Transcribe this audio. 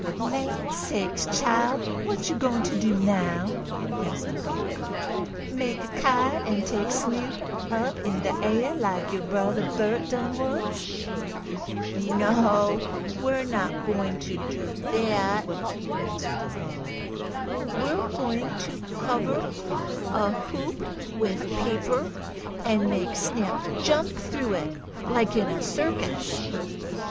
"Land sakes, chile! what yo' gwine t' do now?" asked the colored cook. "Make a kite, an' take Snoop up in de air laik yo' brother Bert done once?" "No, we're not going to do that," answered the little boy. "We're going to cover a hoop with paper, and make Snap jump through it, like in a circus."